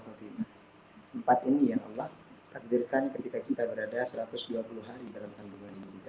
empat ini yang allah takdirkan ketika kita berada satu ratus dua puluh hari dalam kandungan kita